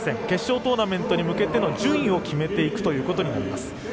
決勝トーナメントに向けての順位を決めていくということになります。